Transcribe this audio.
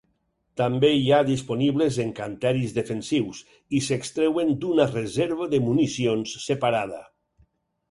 També hi ha disponibles encanteris defensius, i s'extreuen d'una reserva de municions separada.